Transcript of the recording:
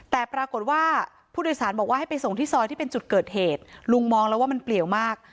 แต่ปรากฏว่าผู้โดยสารบอกว่าให้ไปส่งที่ซอยที่เป็นจุดเกิดเหตุลุงมองแล้วว่ามันเปลี่ยวมาก